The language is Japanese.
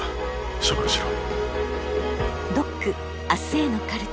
処分しろ。